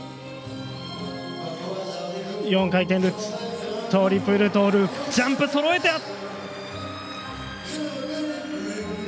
４回転ルッツ、トリプルトージャンプそろえた！